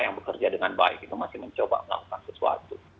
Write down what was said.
yang bekerja dengan baik itu masih mencoba melakukan sesuatu